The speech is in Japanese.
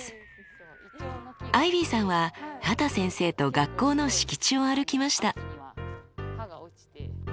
アイビーさんは畑先生と学校の敷地を歩きました。